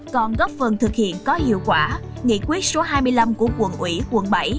còn góp phần thực hiện có hiệu quả nghị quyết số hai mươi năm của quận ủy quận bảy